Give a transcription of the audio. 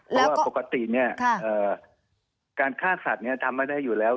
เพราะว่าปกติการฆ่าสัตว์ทำไม่ได้อยู่แล้ว